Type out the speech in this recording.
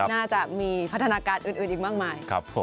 น่าจะมีพัฒนาการอื่นอีกมากมาย